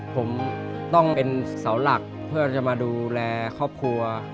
ผมต้องเป็นเสาหลักเพื่อจะมาดูแลครอบครัว